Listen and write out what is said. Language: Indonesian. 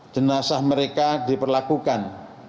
jenazah mereka diperlakukan